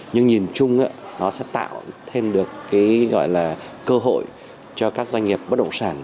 nhưng nhìn chung nó sẽ tạo thêm được cơ hội cho các doanh nghiệp bất động sản